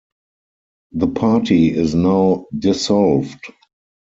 The party is now dissolved.